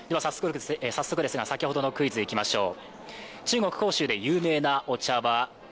早速ですが先ほどのクイズいきましょう。